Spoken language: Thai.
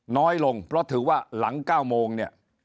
น้อยลงเพราะถือว่าหลัง๙โมงเนี่ย